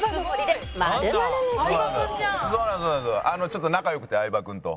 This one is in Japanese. ちょっと仲良くて相葉君と。